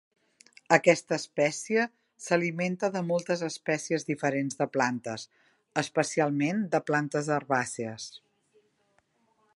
Aquesta espècie s'alimenta de moltes espècies diferents de plantes, especialment de plantes herbàcies.